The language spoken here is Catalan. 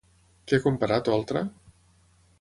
Què ha comparat Oltra?